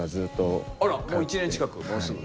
あらもう１年近くもうすぐ。